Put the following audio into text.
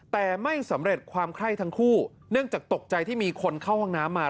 แต่ไม่สำเร็จความไข้ทั้งคู่เนื่องจากตกใจที่มีคนเข้าห้องน้ำมา